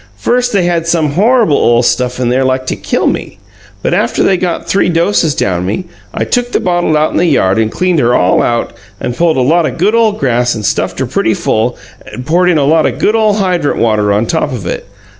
"First they had some horrable ole stuff in there like to killed me. But after they got three doses down me, I took the bottle out in the yard and cleaned her all out and pulled a lot o' good ole grass and stuffed her pretty full and poured in a lot o' good ole hydrant water on top of it.